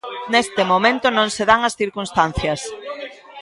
Neste momento non se dan as circunstancias.